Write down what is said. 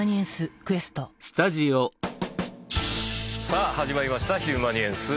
さあ始まりました「ヒューマニエンス」。